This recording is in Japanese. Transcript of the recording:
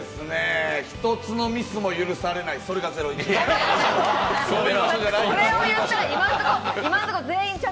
一つのミスも許されない、それが『ゼロイチ』。